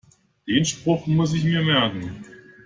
Den Spruch muss ich mir merken.